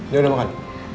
dia udah makan